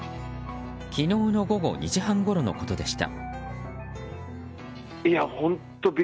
昨日の午後２時半ごろのことでした。